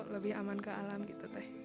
lebih aman ke alam gitu teh